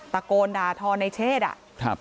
ตะโกนด่าทอในเชศอ่ะครับ